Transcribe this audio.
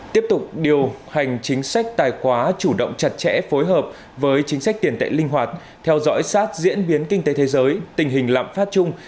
tiếp tục điều hành chính sách tài khóa chủ động chặt chẽ phối hợp với chính sách tiền tệ linh hoạt theo dõi sát diễn biến kinh tế thế giới tình hình lạm phát chung